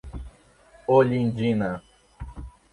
Olindina